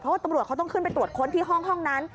เพราะว่าตำรวจเขาต้องขึ้นไปตรวจค้นที่ห้องนั้น